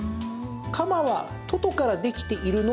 「かま」は「とと」からできているの？